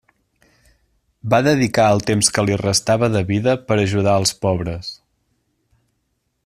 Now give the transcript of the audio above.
Va dedicar el temps que li restava de vida per ajudar als pobres.